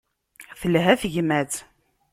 Telha tegmat.